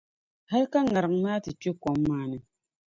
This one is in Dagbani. Hali ka ŋariŋ maa ti kpe kom maa ni.